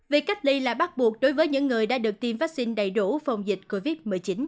việc cách ly là bắt buộc đối với những người đã được tiêm vaccine đầy đủ phòng dịch covid một mươi chín